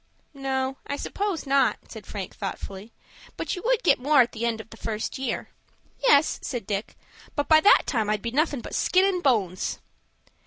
"No, I suppose not," said Frank, thoughtfully. "But you would get more at the end of the first year." "Yes," said Dick; "but by that time I'd be nothin' but skin and bones."